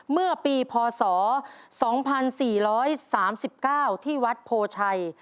เมื่อปีพศ๒๔๓๙ที่วัดโพชัย